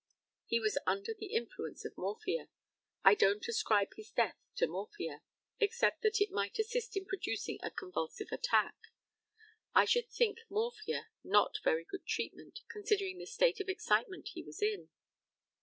He was under the influence of morphia. I don't ascribe his death to morphia, except that it might assist in producing a convulsive attack. I should think morphia not very good treatment, considering the state of excitement he was in.